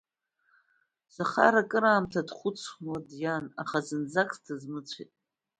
Захар акраамҭа дхәыцуа диан, аха зынӡакгьы дызмыцәеит.